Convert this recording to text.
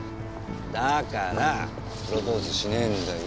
だからプロポーズしないんだよ。